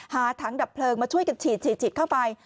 หาถังดับเพลิงมาช่วยกันฉีดฉีดเข้าไป